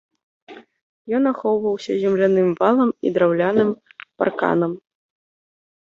Ён ахоўваўся земляным валам і драўляным парканам.